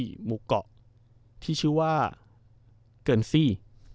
หมู่เกาะที่ชื่อว่าเกินซี่